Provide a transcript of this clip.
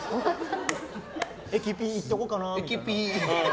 駅ピ、行っとこうかなって。